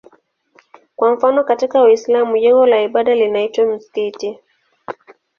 Kwa mfano katika Uislamu jengo la ibada linaitwa msikiti.